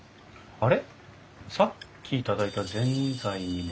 あれ？